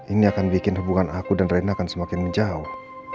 ini akan bikin hubungan aku dan rena akan semakin menjauh